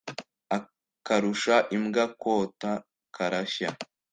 akarusha imbwa kwota karashya